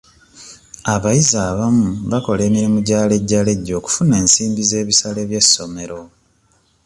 Abayizi abamu bakola emirimu gya lejjalejja okufuna ensimbi z'ebisale by'essomero.